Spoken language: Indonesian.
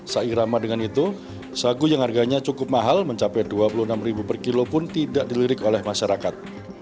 seirama dengan itu sagu yang harganya cukup mahal mencapai rp dua puluh enam per kilo pun tidak dilirik oleh masyarakat